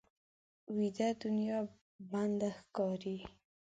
ویده دنیا بنده ښکاري